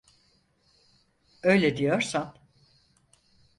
Öyle diyorsan…